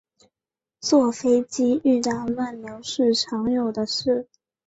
坐飞机遇到乱流是常有的事